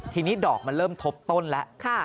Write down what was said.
ทีนี้ดอกมันเริ่มทบต้นแล้ว